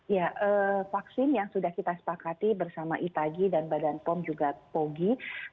ya vaksin yang sudah kita sepakati bersama itagi dan badan pom juga pogi